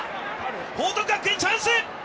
報徳学園チャンス。